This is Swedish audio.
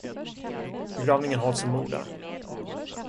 Begravningen hålls i Mora.